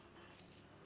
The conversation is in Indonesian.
menjadi kemampuan anda